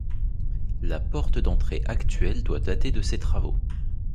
La porte d'entrée actuelle doit dater de ces travaux.